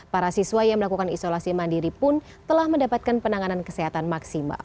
para siswa yang melakukan isolasi mandiri pun telah mendapatkan penanganan kesehatan maksimal